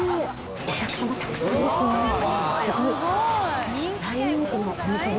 お客さんもたくさんいますね。